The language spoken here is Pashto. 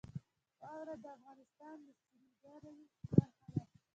واوره د افغانستان د سیلګرۍ برخه ده.